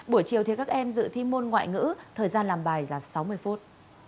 buổi chiều thì các em dự thi môn ngoại ngữ thời gian làm bài là sáu mươi phút